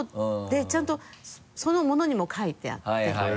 でちゃんとその物にも書いてあって。